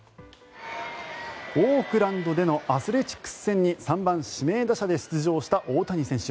オークランドでのアスレチックス戦に３番指名打者で出場した大谷選手。